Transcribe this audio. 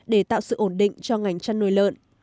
để tạo sự ổn định cho ngành chăn nuôi lợn